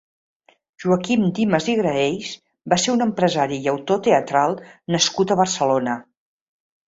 Joaquim Dimas i Graells va ser un empresari i autor teatral nascut a Barcelona.